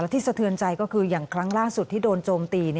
สะเทือนใจก็คืออย่างครั้งล่าสุดที่โดนโจมตี